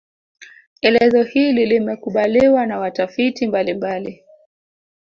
Elezo hili limekubaliwa na watafiti mbalimbali